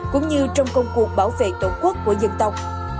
cũng như trong công cuộc bảo vệ tổ quốc của dân tộc